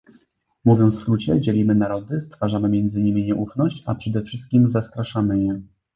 Mówiąc w skrócie, dzielimy narody, stwarzamy między nimi nieufność, a przede wszystkim zastraszamy je